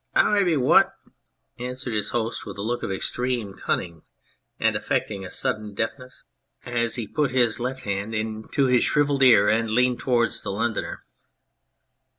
" Ow I be whaat ?" answered his host with a look of extreme cunning and affecting a sudden deafness 107 On Anything as he put his left hand to his shrivelled ear and leaned towards the Londoner.